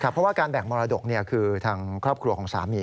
เพราะว่าการแบ่งมรดกคือทางครอบครัวของสามี